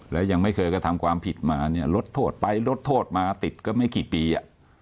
และยังไม่เคยกระทำความผิดมาเนี่ยลดโทษไปลดโทษมาติดก็ไม่กี่ปีอ่ะ